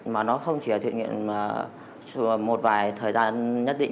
mà nó không chỉ là thiện nguyện một vài thời gian nhất định